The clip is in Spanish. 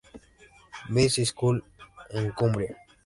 Bees' School en Cumbria.